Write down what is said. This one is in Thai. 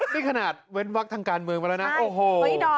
นี่ขนาดเว้นวักทางการเมืองมาแล้วนะโอ้โห